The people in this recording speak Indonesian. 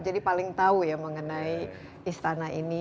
jadi paling tahu ya mengenai istana ini